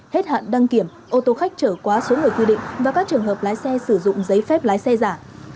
hết hạn đăng kiểm ô tô khách trở quá số người quy định và các trường hợp lái xe sử dụng giấy phép lái xe giả